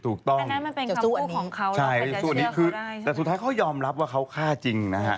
ถามนั้นมันเป็นคำพูของเขาเขาจะเชื่อเขาได้แล้วสุดท้ายเขายอมรับว่าเขาข้าจริงนะฮะ